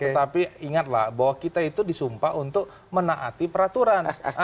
tetapi ingatlah bahwa kita itu disumpah untuk menaati peraturan